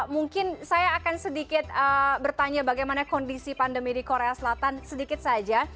mungkin saya akan sedikit bertanya bagaimana kondisi pandemi di korea selatan sedikit saja